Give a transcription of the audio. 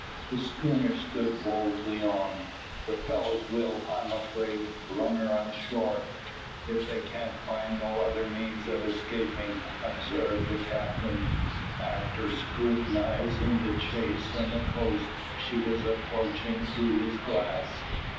The schooner stood boldly on. "The fellows will, I am afraid, run her on shore, if they can find no other means of escaping," observed the captain, after scrutinising the chase and the coast she was approaching through his glass.